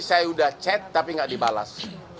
saya sudah chat tapi nggak dibalas